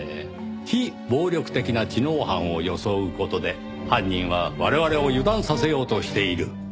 非暴力的な知能犯を装う事で犯人は我々を油断させようとしている。